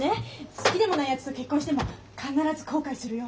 好きでもないやつと結婚しても必ず後悔するよ。